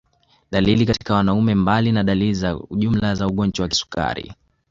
Dalili katika wanaume Mbali na dalili za jumla za ugonjwa wa kisukari